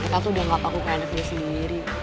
mereka tuh udah ngelap aku ke ada diri sendiri